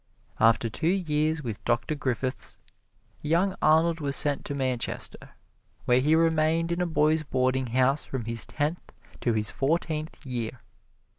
After two years with Doctor Griffiths, young Arnold was sent to Manchester, where he remained in a boys' boarding house from his tenth to his fourteenth year.